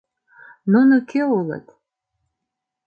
— Нуно кӧ улыт?